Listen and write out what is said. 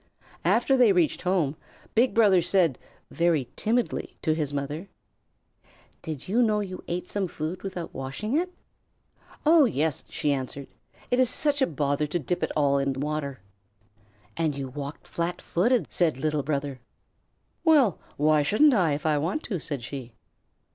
After they reached home, Big Brother said, very timidly, to his mother: "Did you know you ate some food without washing it?" "Oh, yes," she answered; "it is such a bother to dip it all in water." "And you walked flat footed," said Little Brother. "Well, why shouldn't I, if I want to?" said she.